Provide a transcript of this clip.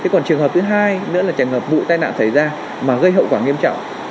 còn trường hợp thứ hai nữa là trường hợp vụ tai nạn xảy ra mà gây hậu quả nghiêm trọng